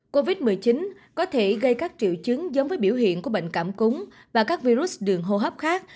covid một mươi chín có thể gây các triệu chứng giống với biểu hiện của bệnh cảm cúng và các virus đường hô hấp khác